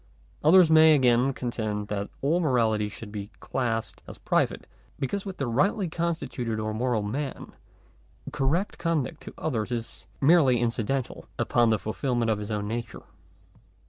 Others again may contend that all morality should be classed as private; because with the rightly con stituted or moral man, correct conduct to others is merely incidental upon the fulfilment of his own nature.